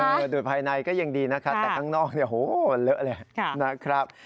ดูภายในก็ยังดีนะครับแต่ข้างนอกเนี่ยโหนเลอะเลยนะครับ